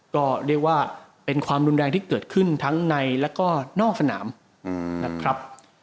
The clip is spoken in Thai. ก็เรียกว่าเป็นความรุนแรงที่เกิดขึ้นทั้งในแล้วก็นอกสนามนะครับ